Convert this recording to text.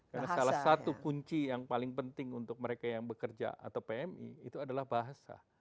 karena salah satu kunci yang paling penting untuk mereka yang bekerja atau pmi itu adalah bahasa